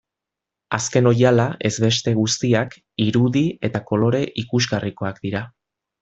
Azken oihala ez beste guztiak irudi eta kolore ikusgarrikoak dira.